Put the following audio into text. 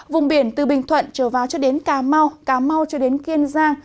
vùng biển từ bình thuận trở vào cho đến cà mau cà mau cho đến kiên giang